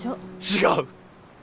違う！